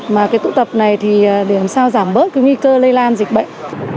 mà cái tụ tập này thì để làm sao giảm bớt cái nguy cơ lây lan dịch bệnh